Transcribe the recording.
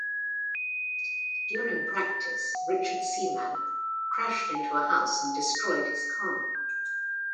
During practice Richard Seaman crashed into a house and destroyed his car.